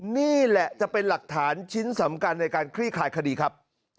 นี่แหละจะเป็นหลักฐานชิ้นสำคัญในการคลี่คลายคดีครับ